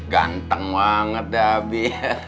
ganteng banget abdi